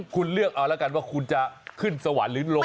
คุณเลือกเอาแล้วกันว่าคุณจะขึ้นสวรรค์หรือลง